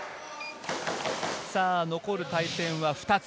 残る対戦は２つ。